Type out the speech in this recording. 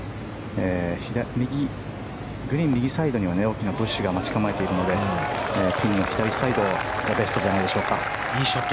グリーン右サイドには大きなブッシュが待ち構えているのでピンの左サイドがベストじゃないでしょうか。